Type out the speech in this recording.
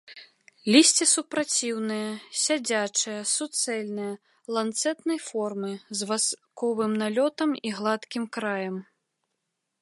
Лісце супраціўнае, сядзячае, суцэльнае, ланцэтнай формы, з васковым налётам і гладкім краем.